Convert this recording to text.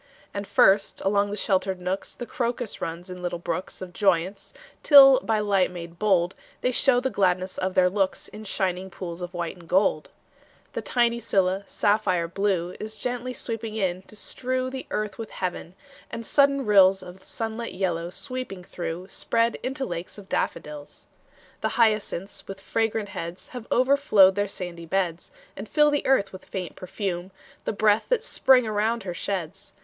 And first, along the sheltered nooks, The crocus runs in little brooks Of joyance, till by light made bold They show the gladness of their looks In shining pools of white and gold. The tiny scilla, sapphire blue, Is gently sweeping in, to strew The earth with heaven; and sudden rills Of sunlit yellow, sweeping through, Spread into lakes of daffodils. The hyacinths, with fragrant heads, Have overflowed their sandy beds, And fill the earth with faint perfume, The breath that Spring around her sheds.